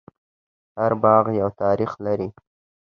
هر باغ یو تاریخ لري.